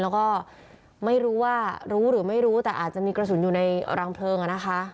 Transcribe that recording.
แล้วก็ไม่รู้ว่ารู้หรือไม่รู้แต่อาจจะมีกระสุนอยู่ในรังเพลิงอ่ะนะคะ